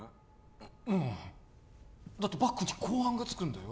ううんだってバックに公安がつくんだよ